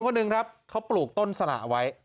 คุณพระนึงครับเค้าปลูกต้นสระไว้